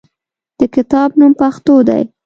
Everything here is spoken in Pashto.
د کتاب نوم "پښتو" دی.